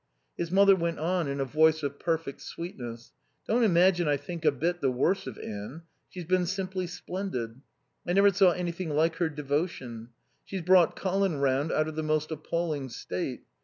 His mother went on in a voice of perfect sweetness. "Don't imagine I think a bit the worse of Anne. She's been simply splendid. I never saw anything like her devotion. She's brought Colin round out of the most appalling state.